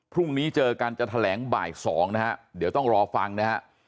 พรุ่งนี้เจอกันจะแถลงบ่าย๒นะฮะเดี๋ยวต้องรอฟังนะฮะ